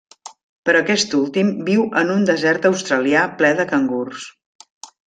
Però aquest últim viu en un desert australià ple de cangurs.